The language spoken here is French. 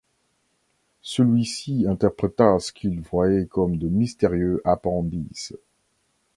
Celui-ci interpréta ce qu'il voyait comme de mystérieux appendices.